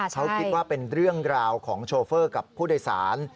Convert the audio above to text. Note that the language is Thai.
เขาคิดว่าเป็นเรื่องราวของโชเฟอร์กับผู้โดยสาร